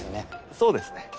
そうですね